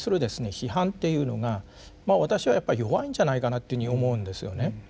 批判っていうのが私はやっぱり弱いんじゃないかなというふうに思うんですよね。